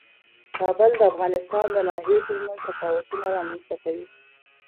کابل د افغانستان د ناحیو ترمنځ تفاوتونه رامنځ ته کوي.